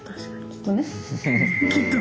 きっとね。